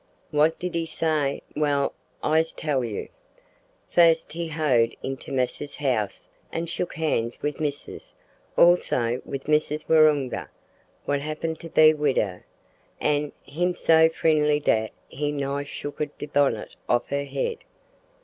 "What did he say? Well, I's tell you. Fust he hoed into massa's house an' shook hands with missis, also wid Missis Waroonga wot happined to be wid her, an' hims so frindly dat he nigh shookt de bonnit off her head.